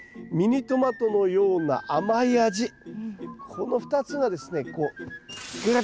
この２つがですね